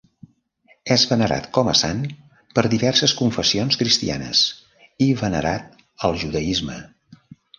És venerat com a sant per diverses confessions cristianes i venerat al judaisme.